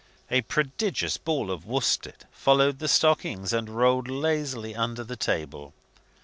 A prodigious ball of worsted followed the stockings, and rolled lazily under the table.